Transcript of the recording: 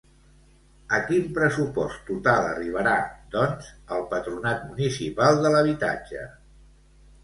A quin pressupost total arribarà, doncs, el Patronat Municipal de l'Habitatge?